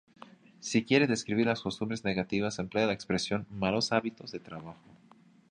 Si quiere describir las costumbres negativas, emplea la expresión "malos hábitos de trabajo".